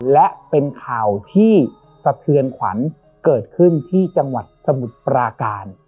และเป็นข่าวที่สะเทือนขวัญเกิดขึ้นที่จังหวัดสมุทรปราการ